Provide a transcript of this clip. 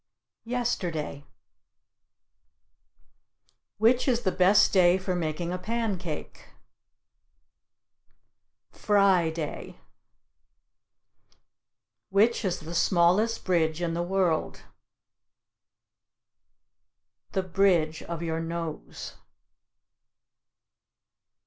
Yesterday. Which is the best day for making a pancake? Friday. Which is the smallest bridge in the world? The bridge of your nose.